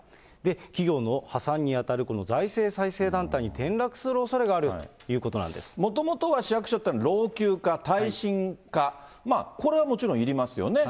企業の破産に当たる財政再生団体に転落するおそれがあるといもともとは市役所というのは老朽化、耐震化、これはもちろん、いりますよね。